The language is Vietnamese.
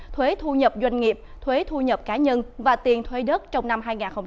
thuế thu nhập doanh nghiệp thuế thu nhập cá nhân và tiền thuê đất trong năm hai nghìn hai mươi